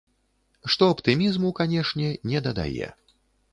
Што аптымізму, канешне, не дадае.